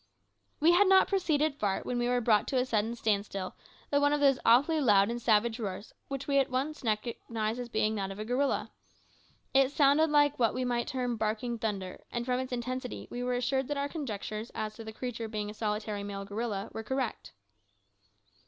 We had not proceeded far when we were brought to a sudden standstill by one of those awfully loud and savage roars which we at once recognised as being that of a gorilla. It sounded like what we might term barking thunder, and from its intensity we were assured that our conjectures as to the creature being a solitary male gorilla were correct.